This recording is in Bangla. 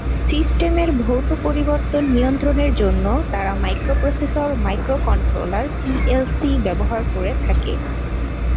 সিস্টেমের ভৌত পরিবর্তন নিয়ন্ত্রণের জন্য তারা মাইক্রোপ্রসেসর, মাইক্রো কন্ট্রোলার, পিএলসি ব্যবহার করে থাকে।